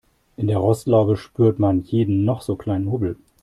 In der Rostlaube spürt man jeden noch so kleinen Hubbel.